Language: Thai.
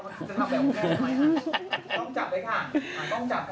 ต้องจับเลยค่ะ